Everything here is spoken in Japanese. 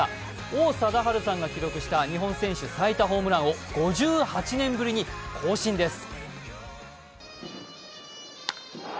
王貞治さんが記録した日本選手最多ホームランを５８年ぶりに更新です。